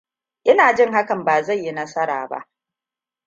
Ina jin hakan ba zai yi nasara ba.